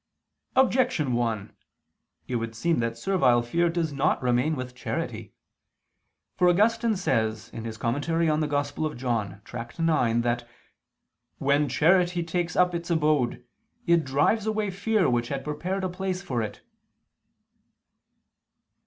Objection 1: It would seem that servile fear does not remain with charity. For Augustine says (In prim. canon. Joan. Tract. ix) that "when charity takes up its abode, it drives away fear which had prepared a place for it."